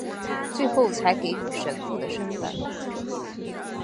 最后才给予神父的身分。